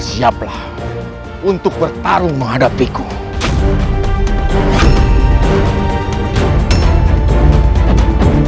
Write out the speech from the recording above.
tidak perlu berpanjangbicara siliwangi